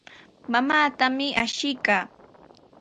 Mamaatami ashiykaa.